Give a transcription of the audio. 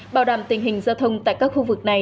bảo đảm tình hình giao thông tại các khu vực này